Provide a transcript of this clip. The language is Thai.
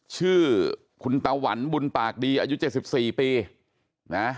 ชื่อคุณตะวันบุญปากดีอายุ๗๔ปีนะ